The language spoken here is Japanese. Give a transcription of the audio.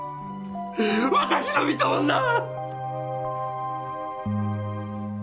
私の見た女は！